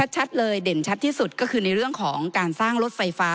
ชัดเลยเด่นชัดที่สุดก็คือในเรื่องของการสร้างรถไฟฟ้า